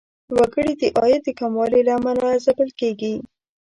وګړي د عاید د کموالي له امله ځپل کیږي.